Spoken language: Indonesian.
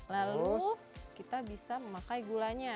lalu kita bisa memakai gulanya